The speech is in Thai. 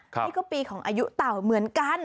นี่ก็ปีของอายุเต่าเหมือนกัน